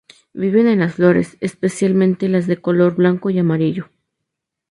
Vive en las flores, especialmente las de color blanco y amarillo.